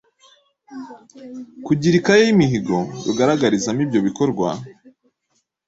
kugira ikaye y’imihigo, rugaragarizamo ibyo bikorwa,